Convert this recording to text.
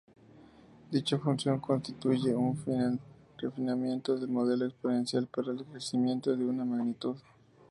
Dicha función constituye un refinamiento del modelo exponencial para el crecimiento de una magnitud.